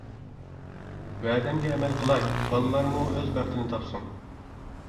ۋەدەمگە ئەمەل قىلاي، بالىلارمۇ ئۆز بەختىنى تاپسۇن.